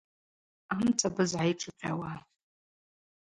Амцабыз гӏайшӏыкъьауа.